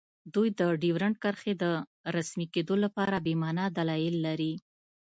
دوی د ډیورنډ کرښې د رسمي کیدو لپاره بې مانا دلایل لري